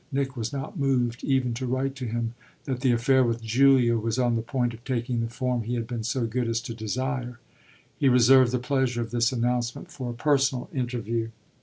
Nick was not moved even to write to him that the affair with Julia was on the point of taking the form he had been so good as to desire: he reserved the pleasure of this announcement for a personal interview.